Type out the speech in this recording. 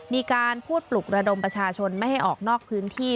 มีการพูดปลุกระดมประชาชนไม่ให้ออกนอกพื้นที่